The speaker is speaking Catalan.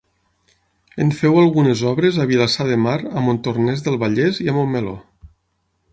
En feu algunes obres a Vilassar de Mar, a Montornès del Vallès i a Montmeló.